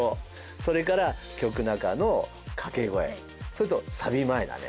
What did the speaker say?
それから曲中の掛け声それとサビ前だね。